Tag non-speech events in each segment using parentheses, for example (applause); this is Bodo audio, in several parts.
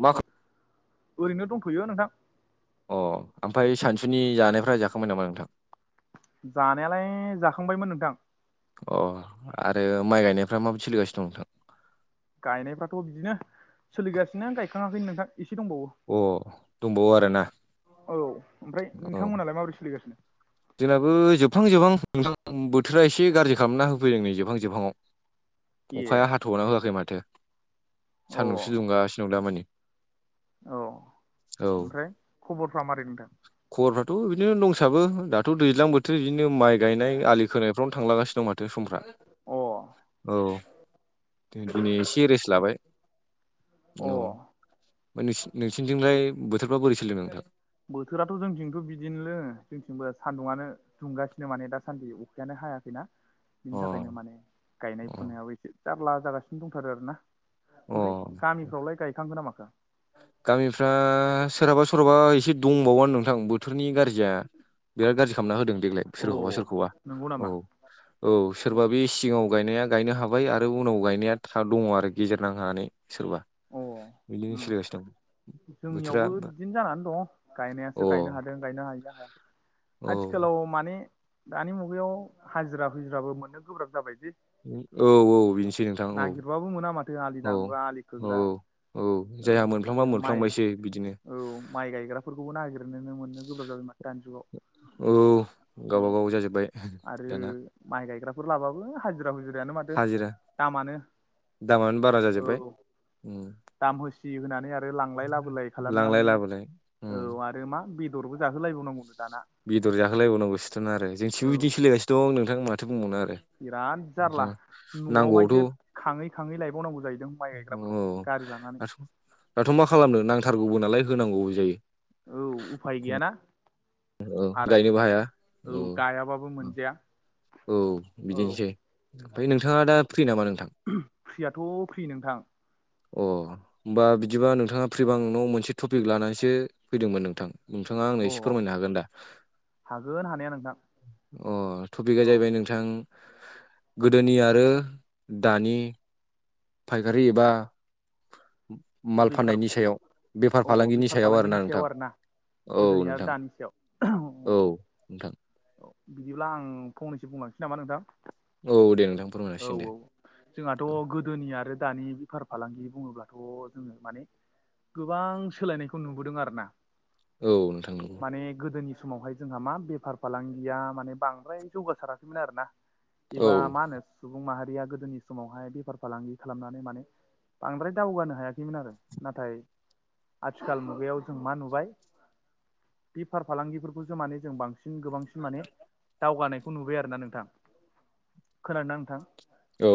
मा औ खा- ओरैनो दंथ'यो नोंथां। अ ओमफ्राय सानसुनि जानायफ्रा जाखांय नामा नोंथां? जानायालाय जाखांबायमोन नोंथां। अ आरो माइ गायनायफ्रा माबि सोलिगासिनो दं नोंथां? गायनायफ्राथ' बिदिनो सोलिगासिनों गायखाङाखै नोंथां एसे दंबावो। अ दंबावो आरोना? औ ओमफ्राय औ नोंथांमोनालाय माबोरै सोलिगासिनो? जोंनाबो जोबहां जोबहां नोंथां बोथोरा एसे गाज्रि खालामना होफैदों नै जोबहां जोबहांआव ए अखाया हाथ'बना होआखै माथो अ सान्दुंसो दुंगासिनो दं दा‌मानि औ ओमफ्राय खबरफ्रा मारै नोंथां? खबरफ्राथ' बिदिनो दंसाबो दाथ' दैज्लां बोथोर बिदिनो माइ गायनाय आलि खोनायफ्रावनो थांलागानो दं माथो। दो समफ्रा अ औ दा दिनै एसे रेस्ट लाबाय। अ औ ओमफ्राय न नोंसिरनिथिंलाय बोथोरफ्रा बोरै सोलिदों नोंथां। बोथोराथ' जोंथिंथ' बिदिनोलै जोंथिंबो सान्दुङानो। दुंगासिनो माने दासान्दि अखायानो हायाखैना। बिनि अ थाखायनो माने गायनाय अ फुनायाबो एसे जारला जागासिनो दंथारो आरोना। ओमफ्राय अ गामिफ्रावलाय गायखांगोन ना माखो? गामिफ्रा सोरहाबा सोरहाबा एसे दंबावानो नोंथां बोथोरनि गाज्रिया। बिराद गाज्रि खालामना होदों देग्लाय अ सोरखौबा सोरखौबा नंगौ नामा औ। औ अ सोरबा बे सिगाङाव गायनाया गायनो हाबाय आरो उनाव गायनाया थ' दङ आरो गेजेर नां हांनानै। सोरबा अ बिदिनो उम सोलि। जोंनियावबो बिदिनो जानानै दं औ गायनायासो गायनो हादों। गायनो हायो हायाखै औ आथिखालाव माने। दानि मुगायाव हाजिरा फुजिराबो मोननो गोब्राब जाबायदि औ बेनोसै नोंथां औ नागिरबाबो मोना माथो आलि औ दामग्रा आलि औ खोग्रा औ जायहा मोनफ्लांबा आरो माइ मोनफ्लांबायसै बिदिनो औ माइ गायग्राफोरखौबो नागिरनोनो मोननो गोब्राब जाबायमोन दानि जुगाव। औ औ गावबा गाव जाजोब्बाय आरो दाना माइ गायग्राफोर लाबाबो हाजार हिरा हुजिरायानो माथो हाजिरा दामानो औ औ दाम होसि होनानै आरो लांलाय लाबोलाय लांलाय खालामनानै लाबोलाय उम औ आरो आरो मा बेदरबो जाहोलायबावनांगौनो दाना बेदर जाखोलायबावनांगौसोथोन आरो जोंथिबो औ बिदिनो सोलिगासिनो दं नोंथां माथो बुंबावनो आरो बिराद जारला न'आवहायसो नांगौआवथ' खाङै खाङै लायबावनांगौ जाहैदों माइ औ गायग्राफोरखौ गारि लानानै दाथ' दाथ' मा खालामनो नांथारगौबो नालाय होनांगौबो जायो। औ उफाय गैयाना। औ आरो गायनोबो हाया औ गायाबाबो मोनजाया। औ औ बिदिनोसै ओमफ्राय नोंथाङा दा फ्रि नामा नोंथां। फ्रियाथ' फ्रि नोंथां। अ होमबा बिदिबा नोंथाङा फ्रिबांनाव मोनसे टपिक लानानैसो फैदोंमोन नोंथां। नोंथाङा आंनो अ एसे फोरमायनो हागोन दा हागोन हानाया नोंथां अ टपिकआ जाहैबाय। औ नोंथां गोदोनि आरो दानि। फायखारि एबा माल बेफार फान्नायनि सायाव बेफार अ फालांगिनि बेफार सायाव फालांगिनि आरोना नोंथां। आरो ना औ गोदोनि आरो नोंथां दानि सायाव औ नोंथां औ बिदिब्ला आं फंनैसो बुंलांसै नामा नोंथां। औ दे नोंथां फोरमाय‌ औ जासिगोन औ दे। जोंहाथ' औ गोदोनि आरो दानि बेफार फालांगि बुङोब्लाथ' जोङो माने गोबां सोलायनायखौ नुबोदों आरो ना। औ नोंथां नंगौ माने गोदोनि समावहाय जोंहा मा बेफार फालांगिया माने बांद्राय जौगासाराखैमोन आरोना एबा औ मा होनो सुबुं माहारिया गोदोनि समावहाय बेफार फालांगि खालामनानै माने बांद्राय दावगानो हायाखैमोन आरो नाथाय आथिखाल मुगायाव जों मा नुबाय बेफार फालांगिफोरखौसो माने जों बांसिन बांसिन गोबांसिन माने दावगानायखौ नुबाय आरोना नोंथां खोनादों ना नोंथां? औ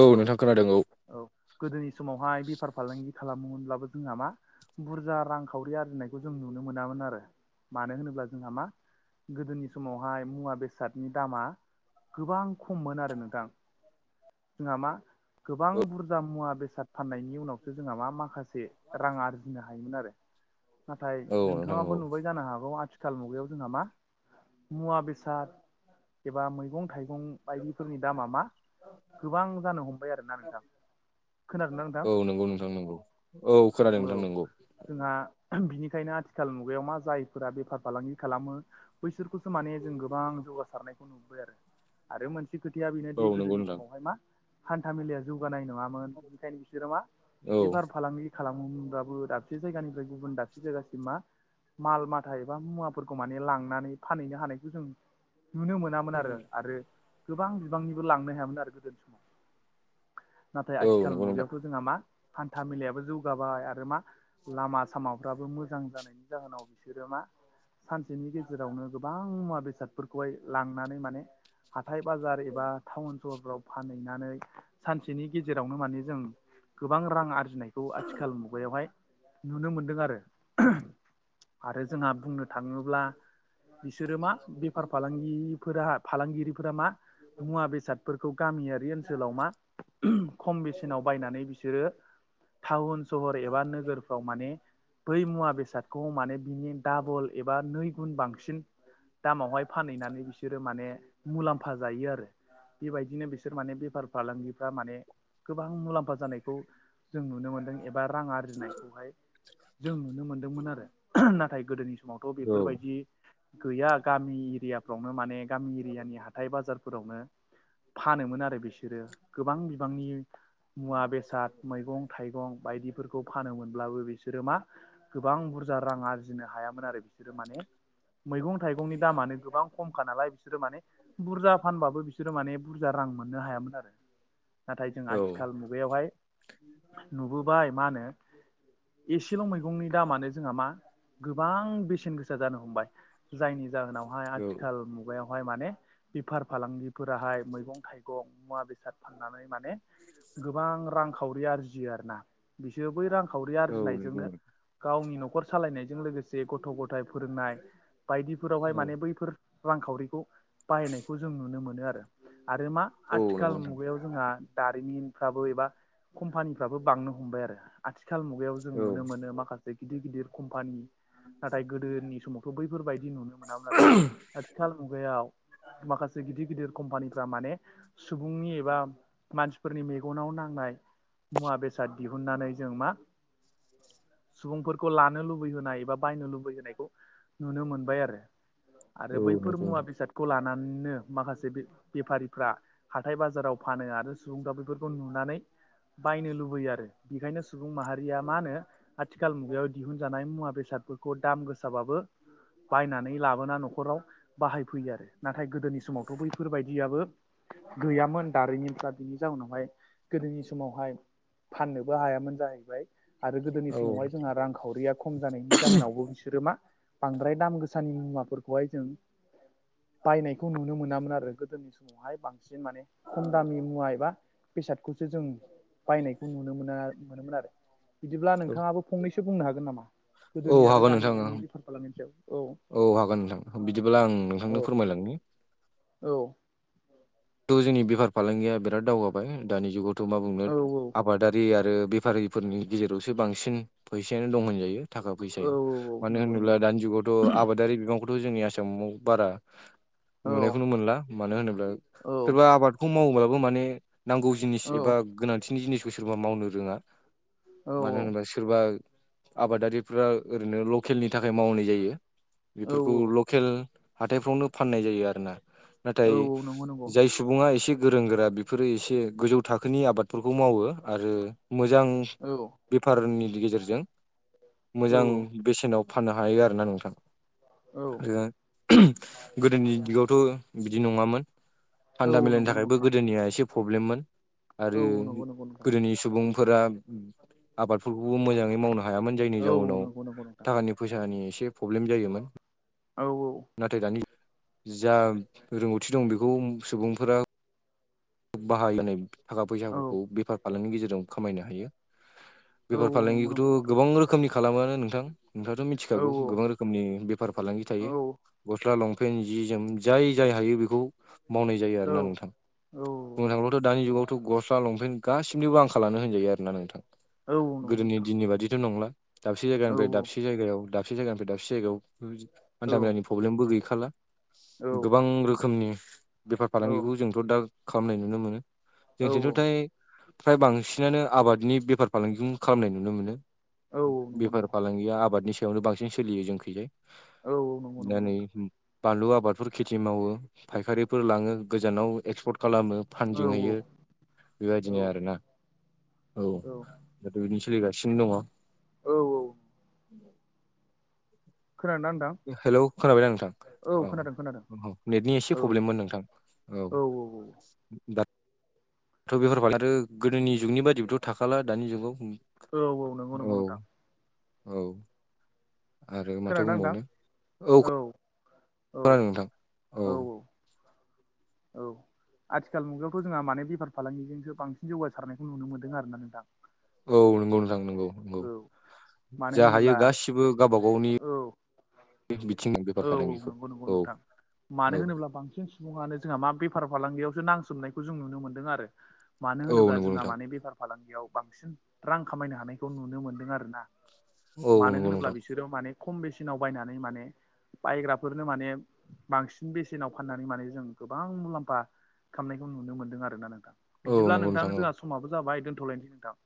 औ नोंथां खोनादों औ। औ गोदोनि समावहाय बेफार फालांगि खालामो मोनब्लाबो जोंहा मा बुरजा रांखावरि आरजिनायखौ जों नुनो मोनामोन आरो मानो होनोब्ला जोंहा मा गोदोनि समावहाय मुवा बेसादनि दामा गोबां खममोन आरो नोंथां नामा गोबां बुरजा मुवा बेसाद फाननायनि उनावसो जोंहा मा माखासे रां आरजिनो हा हायोमोन आरो नाथाइ औ नोंथां नोंथाआबो औ नुबाय जानो हागौ आथिखाल मुगायाव जोंङा मा मुवा बेसाद एबा मैगं थाइगं बायदिफोरनि दामा मा गोबां जानो हमबाय आरो ना नोंथां खोनादोंना औ नोंथां नोंगौ नोंथां नोंगौ औ खोनादों नोंथां औ नोंगौ जोंहा उम बिनिखायनो आथिखाल मुगायाव मा जायफोरा बेफार फालांगि खालामो बैसोरखौसो माने जों गोबां जौगारनायखौ नुबोबाय आरो आरो मोनसे खोथाया बेनोदि औ नंगौ गोदोनि नोंथां समावहाय मा हान्था मेलाआ जौगानाय नङामोन मोन बिनिखायनो बिसोरो मा औ बेफार फालांगि खालामोनब्लाबो दाबसे जायगानिफ्राय गुबुन दाबसे जायगासिम मा माल माथा एबा मुवाफोर फोरखौ माने लांनानै फानहैनो हानायखौ जों नुनो मोनामोन आरो आरो गोबां बिबांनिबो लांनो हायामोन आरो गोदोनि समाव नाथाय औ आथिखाल नंगौ नोंथां मुगायावथ' जोंहा मा हान्था मेलायाबो जौगाबाय आरो मा लामा सामाफ्राबो मोजां जानायनि जाहोनाव बिसोरो मा सानसेनि गेजेरावनो गोबां मुवा बेसादफोरखौहाय लांनानै माने हाथाय बाजार एबा थटाउन स सोहोरफ्राव फानहैनानै सानसेनि गेजेरावनो माने जों गोबां रां आरजिनायखौ खौ आथिखाल मुगायावहाय नुनो मोनदों आरो ओम आरो जोंहा बुंहनो थां थाङोब्ला बिसोरो मा बेफार फालांगिफोरहा फालांगिरिफोरा मा मुवा बेसादफोरखौ गामिआरि ओनसोलाव मा ओह खम बेसेनाव बायनानै बिसोरो टाउन सहर एबा नोगोरफ्राव माने बै मुवा बेसादखौ माने बिनि दाबल एबा नै गुन बांसिन दामावहाय फानहैनानै बिसोरो माने मुलाम्फा जायो आरो बेबायदिनो बिसोर माने बेफार फालांगिफ्रा माने गोबां मुलाम्फा जानायखौ जों नुनो मोनदों एबा रां आरजिनायखौहाय जों नुनो मोनदोंमोन आरो उम नाथाय गोदोनि समावथ' औ बेफोरबादि गैया गामि एरिआफ्रावनो माने गामि एरिआनि हाथाय बाजारफोरावनो फानोमोन आरो बिसोरो गोबां बिबांनि मुवा बेसाद मैगं थाइगं बायदिफोरखौ खौ फानोमोनब्लाबो बिसोरो मा गोबां बुरजा रां आरजिनो हायामोन आरो बिसोरो माने मैगं थाइगंनि दामानो गोबां खमखा नालाय बिसोरो माने बुरजा फानबाबो बिसोरो माने बुरजा रां मोननो हायामोन आरो नाथाय जों औ आथिखाल मुगायावहाय नुबोबाय मा होनो एसेल' मैगंनि दामानो जोंहा मा गोबां बेसेन गोसा जानो हमबाय जायनि जाहोनावहाय औ आथिखाल आथिखाल मुगायावहाय माने बेफार फालांगिफोराहाय मैं थाइगं मुवा बेसाद बेसाद फाननानै माने गोबां रांखावरि आरजियो आरो ना बिसो बै रांखावरि औ नंगौ आरजिनायजोंनो गावनि न'खर सालायनायजों लोगोसे गथ' ग'थाइ ग'थाय फोरोंनाय बायदिफोरावहाय माने बैफोर रांखावरिखौ बाहायनायखौ जों नुनो मोनो आरो आरो मा औ नंगौ आथिखाल नोंथां मुगायाव जोंहा दारिमिनफ्राबो एबा कम्पानिफ्राबो बांनो हमबाय आरो आथिखाल मुगायाव जों नुनो मोनो माखासे गिदिर गिदिर कम्पानि नाथाय गोदोनि समावथ' बैफोरबादि नुनो मोनामोन आरो आथिखाल मुगायाव माखासे गिदिर गिदिर कम्पानिफ्रा माने सुबुंनि एबा मानसिफोरनि मेगनाव नांनाय मुवा बेसाद दिहुननानै जों मा सुबुंफोरखौ लानो लुबैहोनाय एबा बायनो लु लुबैहोनखौ नुनो मोनबाय आरो आरो औ औ बैफोर नंगौ मुवा नोंथां बेसाद खौ लानानैनो माखासे बे बेफारिफ्रा हाथाय बाजाराव फानो आरो सुबुंफ्रा बेफोरखौ नुनानै बायनो लुबैयो आरो बेखायनो सु सुबुं माहारिआ मा होनो आथिखाल मुगायाव दिहुनजानाय मुवा बेसादफोरखौ दाम गोसाबाबो बायनानै लाबोना न'र ाव बाहाय फैयो आरो नाथाय गोदोनि समावथ' बैफोरबायदियाबो गैयामोन दारिफ्रा बिनि जाउनावहाय गोदोनि समावहाय फाननोबो हायामोन जाहैबाय आरो गोदोनि औ समावहाय जोंहा रांखावरिया खम जानायनि जाहोनावबो बिसोरो मा बांद्राय दाम गोसानि मुवाफोरखौहाय जों बायनायखौ नुनो मोनामोन आरो गोदोनि समावहाय बांसिन बांसिन माने खम दामनि मुवा एबा बेसादखौसो जों बायनायखौ नुनो मोना मोनोमोन आरो बिदिब्ला औ नोंथाङाबो फंनैसो बुंनो हागोन नामा? औ गोदोनि आरो हागोन दानि नोंथां जुगनि बेफार फालांगिनि सायाव औ औ हागोन नोंथां बिदिब्ला आं नोंथांनो औ फोरमायलांनि औ थ' जोंनि बेफार फालांगिया बिराद दावगाबाय दानि जुगावथ' मा बुंनो औ आबादारि आरो बेफारिफोरनि गेजेरावसो बांसिन फैसायानो दं होनजायो थाखा औ फैसाया मानो नंगौ नंगौ होनोब्ला दानि जुगाव ' आबादारि बिबांखौथ' जोंनि आसामाव बारा औ नुनायखौनो मोनला मानो होनोब्ला औ सोरबा आबादखौ मावोब्लाबो माने नांगौ जिनिस औ एबा गोनांथिनि जिनिस बो सोरबा मावनो रोङा औ मानो होनोबा सोरबा आबादारिफ्रा ओरैनो लकेलनि थाखाय मावनाय जायो औ बेफोरखौ लकेल हाथायफ्रावनो फाननाय जायो आरो ना औ नाथाय औ नंगौ नंगौ जाय सुबुङा एसे गोरों गोरा बेफोरो एसे गोजौ थाखोनि आबादफोरखौ मावो आरो मोजां औ बेफारनि गेजेरजों औ मोजां बेसेनाव फाननो हायो आरोना औ नोंथाङा आरो गोदोनि दिगावथ' बिदि नङामोन औ हान्दा मलाायनि नंगौ नंगौ थाखायबो नोंथां गोदोनिया एसे प्रब्लेममोन औ आरो नंगौ नंगौ नोंथां गोदोनि सुबुं फोर आबादफोरखौबो मोजाङै मावनो हायामोन जायनि औ औ जाउनाव नंगौ नंगौ नोंथां थाखानि फैसानि एसे प्रब्लेम जायोमोन। औ नाथाय दानि जा रोंगौथि दं बेखौ सुबुंफोरा बाहायनाय थाखा औ फैसाफोरखौ बेफार फालांगि गेजेरजों खामायनो हायो। औ बेफार नंगौ फालांगिखौथ' नंगौ नोंथां गोबां रोखोमनि खालामानो नोंथां नोंथाङाथ' औ मिथिखागौ गोबां रोखोम रोखोमनि बेफार फालांगि औ थायो गस्ला लंपेनन्ट जि जोम जाय जाय हायो बेखौ मावनाय जायो औ आरोना नोंथां। औ बुंनो थाङोब्लाथ' दानि जुगावथ' गस्ला लंपेन्ट गासिनिबो आंखालानो होनजायो आरोना औ नोंथां। नंगौ गोदोनि नोंथां दिननि बादिथ' नंला दाबसे औ जायगानिफ्राय दाबसे जायगायाव दाबसे दाबसे जायगानिफ्राय दाबसे जायगायाव हान्था मेलानि प्रब्लेमबो गैखाला गोबां रोखोमनि बेफार औ फालांगिखौ जोंथ' दा खालामनाय नुनो मोनो। जोंथिथ'थाय फ्राय बांसिनानो आबादनि बेफार फालांगिजों खालामनाय नुनो मोनो। औ नंगौ बेफार नंगौ फालांगिया आबादनि सायावनो बांसिन सोलियो जोंखैजाय औ औ नंगौ दा नंगौ नै नोंथां बानलु आबादफोर खेथि मावो फायखारिफोर लाङो गोजानाव एक्सपर्ट खालामो औ औ फानदिंहैयो औ बेबायदिनो आरोना औ दाथ' बिदिनो सोलिगासिनो दङ औ औ। खोनादोंना नोंथां। हेलौ खोनाबाय द नोंथां औ खोनादों खोनादों औ। नेटनि एसे औ प्रब्लेममोन नोंथां औ दा। द' बेफोरार फाल आरो गोदोनि जुगनि बायदिबोथ' थाखाला दानि जुगाव औ औ नंगौ औ नंगौ नोंथां। औ आरो माथो खोनादोंना नोंथां बुंबावनो औ। औ खोनादों नोंथां औ। औ (inaudible) आथिखाल मुगायावथ जोंहा मे बेफार फालांगिजोंसो बांसिन जौगासारनायखौ नुनो मोनदों आरोना नोंथां। औ नंगौ नोंथां नंगौ नंगौ औ मानो जा हायो होनोब्ला गासिबो गावबा गावनि औ बिथिं औ फालांगिखौ नंगौ नंगौ औ नोंथां मानो औ होनोब्ला। बांसिन सुबुङानो जोंहा मा बेफार फालांगियावसो नांसोमनायखौ जों नुनो मोनदों आरो मानो औ होनोब्ला नंगौ जोंहा नोंथां माने बेफार फालांगियाव बांसिन रां खामायनो हानायखौ नुनो मोन्दों आरोना औ मानो नंगौ होनोब्ला नोंथां बिसोर। बिसोरो माने खम बेसेनाव बायनानै माने। बायग्राफोरनो माने बांसिन बेसेनाव फाननानै माने जों गोबां मुलाम्फा। खामनायखौ नुनो मोनदों आर ना नोंथां औ बिदिब्ला नंगौ नोंथां औ जोंहा समाबो जाबाय दोनथ'लायनोसै नोंथां।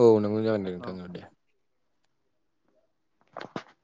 औ नों मो जागोन औ नोंथां दे